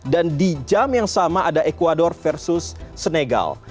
dan di jam yang sama ada ecuador versus senegal